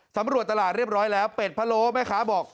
สำรวจตลาดเรียบร้อยแล้วเป็ดพะโล้แม่ค้าบอก